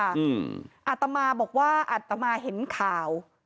อาตมาบอกว่าอัตมาเห็นข่าว